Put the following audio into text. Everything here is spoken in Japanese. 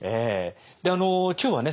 今日はね